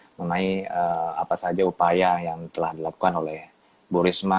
mengenai apa saja upaya yang telah dilakukan oleh bu risma